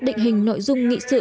định hình nội dung nghị sự